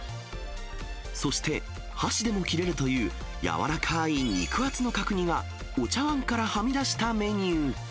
そして、箸でも切れるという柔らかい肉厚の角煮が、お茶碗からはみ出したメニュー。